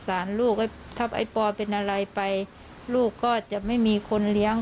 ลูกถ้าไอ้ปอเป็นอะไรไปลูกก็จะไม่มีคนเลี้ยง